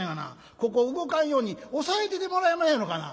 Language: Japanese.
ここを動かんように押さえててもらえまへんやろかな」。